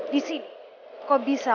disini kau bisa